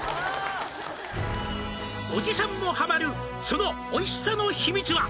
「おじさんもハマる」「そのおいしさの秘密は」